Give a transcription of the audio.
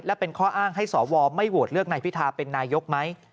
และเป็นข้ออ้างให้สวไม่โหวตเลือกนายพิธาเป็นนายกไหม